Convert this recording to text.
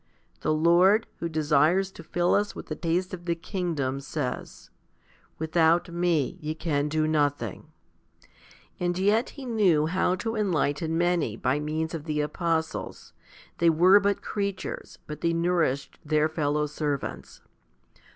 The Lord, who desires to fill us with the taste of the kingdom, says, With out Me ye can do nothing. 2 And yet He knew how to enlighten many by means of the apostles. They were but creatures, but they nourished their fellow servants.